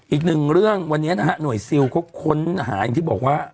อีกหนึ่งเรื่องวันนี้นะฮะหน่วยซิลเขาค้นหาอย่างที่บอกว่า